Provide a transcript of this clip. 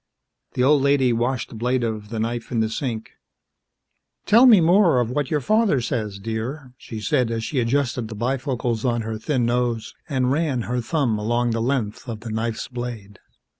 The old lady washed the blade of the knife in the sink. "Tell me more of what your father says, dear," she said as she adjusted the bifocals on her thin nose and ran her thumb along the length of the knife's blade.